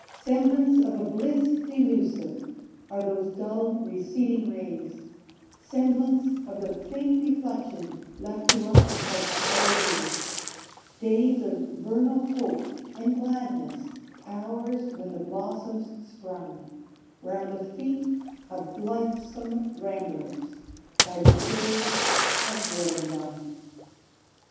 Semblance of a bliss delusive are those dull, receding rays; Semblance of the faint reflection left to us of other days; Days of vernal hope and gladness, hours when the blossoms sprung Round the feet of blithesome ramblers by the shores of Wollongong.